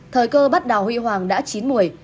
thời cơ bắt đào huy hoàng đã chín mùi